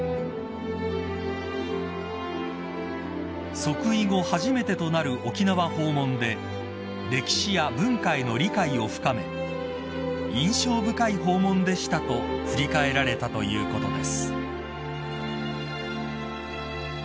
［即位後初めてとなる沖縄訪問で歴史や文化への理解を深め「印象深い訪問でした」と振り返られたということです］